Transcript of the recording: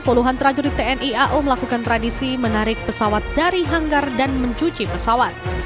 puluhan prajurit tni ao melakukan tradisi menarik pesawat dari hanggar dan mencuci pesawat